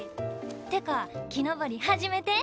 ってか木登り初めて？